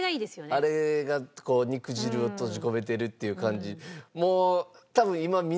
あれがこう肉汁を閉じ込めてるっていう感じ。